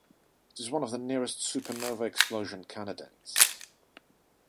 It is one of the nearest supernova explosion candidates.